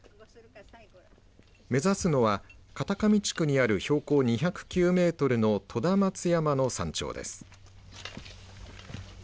目指すのは片上地区にある標高２０９メートルの富田松山の山頂です。